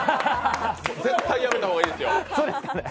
絶対やめた方がいいですよ。